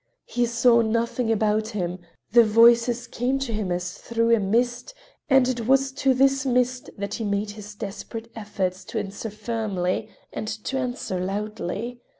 He saw nothing about him; the voices came to him as through a mist, and it was to this mist that he made his desperate efforts to answer firmly, to answer loudly.